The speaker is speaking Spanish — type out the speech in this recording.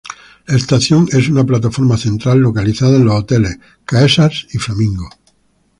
La estación es una plataforma central localizada en los hoteles Caesars y Flamingo.